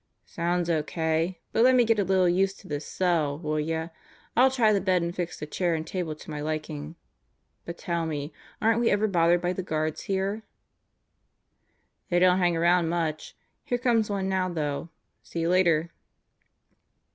"Sounds O.K. But let me get a little used to this cell, will ya? I'll try the bed and fix the chair and table to my liking. But tell me; aren't we ever bothered by the guards here?" "They don't hang around much. Here comes one now, though. See you later."